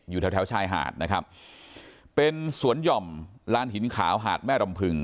อยู่แถวแถวชายหาดนะครับเป็นสวนหย่อมลานหินขาวหาดแม่รำพึง